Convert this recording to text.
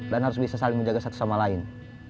dan harus bisa saling menjaga satu sama lain